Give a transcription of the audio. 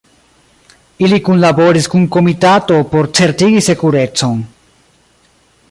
Ili kunlaboris kun komitato por certigi sekurecon.